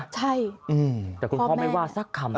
ใช่แต่คุณพ่อไม่ว่าสักคำ